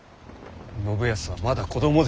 信康はまだ子供で。